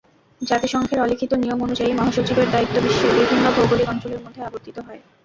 জাতিসংঘের অলিখিত নিয়ম অনুযায়ী মহাসচিবের দায়িত্ব বিশ্বের বিভিন্ন ভৌগোলিক অঞ্চলের মধ্যে আবর্তিত হয়।